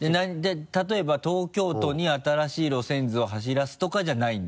例えば東京都に新しい路線図を走らすとかじゃないんだ。